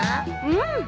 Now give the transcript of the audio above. うん！